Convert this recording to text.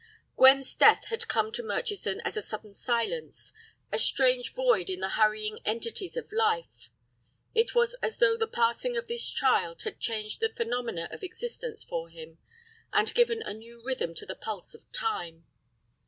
Gwen's death had come to Murchison as a sudden silence, a strange void in the hurrying entities of life. It was as though the passing of this child had changed the phenomena of existence for him, and given a new rhythm to the pulse of Time.